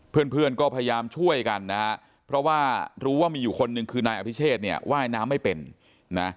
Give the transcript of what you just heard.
เพื่อนเพื่อนก็พยายามช่วยกันนะฮะเพราะว่ารู้ว่ามีอยู่คนหนึ่งคือนายอภิเชษเนี่ยว่ายน้ำไม่เป็นนะ